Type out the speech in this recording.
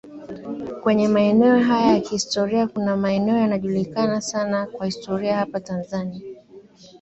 kwenye maeneo haya ya kihistoria Kuna maeneo yanajulikana sana kwa historia hapa Tanzania